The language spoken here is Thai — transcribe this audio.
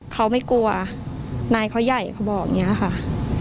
เขาไม่กลัวนายเขาใหญ่เขาบอกอย่างนี้ค่ะ